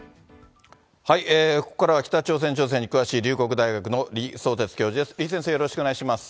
ここからは北朝鮮情勢に詳しい龍谷大学の李相哲教授です。